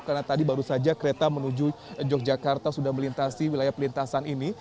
karena tadi baru saja kereta menuju yogyakarta sudah melintasi wilayah pelintasan ini